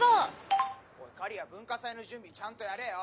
「かりや文化祭の準備ちゃんとやれよ」。